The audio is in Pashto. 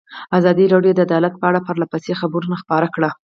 ازادي راډیو د عدالت په اړه پرله پسې خبرونه خپاره کړي.